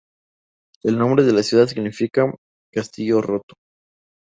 El nombre de la ciudad significa "castillo roto".